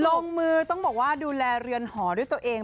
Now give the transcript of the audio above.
ลงมือต้องบอกว่าดูแลเรือนหอด้วยตัวเอง